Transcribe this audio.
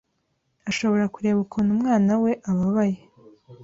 ashobora kureba ukuntu umwana we ababaye